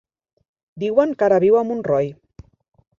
Diuen que ara viu a Montroi.